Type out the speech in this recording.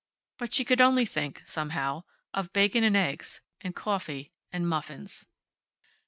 But she could only think, somehow, of bacon and eggs, and coffee, and muffins.